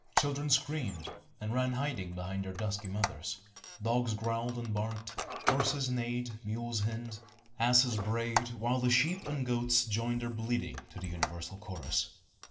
Children screamed, and ran hiding behind their dusky mothers; dogs growled and barked; horses neighed; mules hinnied; asses brayed; while the sheep and goats joined their bleating to the universal chorus.